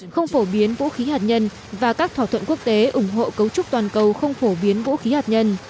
không phổ biến vũ khí hạt nhân và các thỏa thuận quốc tế ủng hộ cấu trúc toàn cầu không phổ biến vũ khí hạt nhân